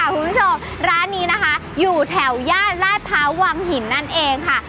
คุณผู้ชมร้านนี้นะคะอยู่แถวย่านลาดพร้าววังหินนั่นเองค่ะ